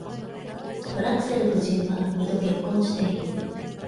トラクセル夫人は二度結婚している。